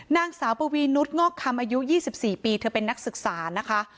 นางสาวปวีนุษย์งอกคำอายุ๒๔ปีเธอเป็นนักศึกษานะคะ